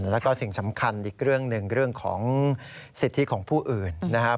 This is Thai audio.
แล้วก็สิ่งสำคัญอีกเรื่องหนึ่งเรื่องของสิทธิของผู้อื่นนะครับ